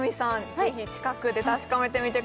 ぜひ近くで確かめてみてください